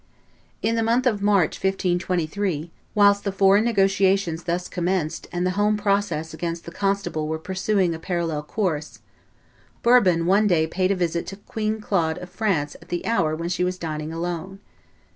In the month of March, 1523, whilst the foreign negotiations thus commenced and the home process against the constable were pursuing a parallel course, Bourbon one day paid a visit to Queen Claude of France at the hour when she was dining alone.